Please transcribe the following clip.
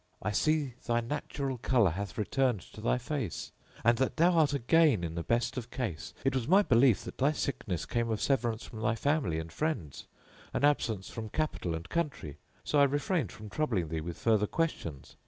—I see thy natural colour hath returned to thy face and that thou art again in the best of case. It was my belief that thy sickness came of severance from thy family and friends, and absence from capital and country, so I refrained from troubling thee with further questions.